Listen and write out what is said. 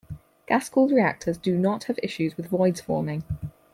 Gas-cooled reactors do not have issues with voids forming.